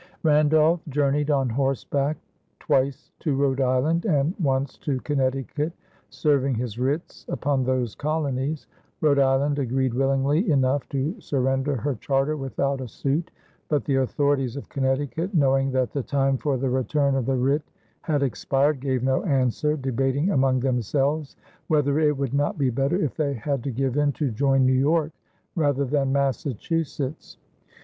Randolph journeyed on horseback twice to Rhode Island, and once to Connecticut, serving his writs upon those colonies. Rhode Island agreed willingly enough to surrender her charter without a suit, but the authorities of Connecticut, knowing that the time for the return of the writ had expired, gave no answer, debating among themselves whether it would not be better, if they had to give in, to join New York rather than Massachusetts.